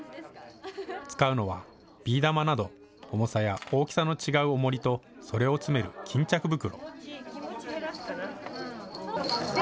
使うのはビー玉など重さや大きさの違うおもりとそれを詰める巾着袋。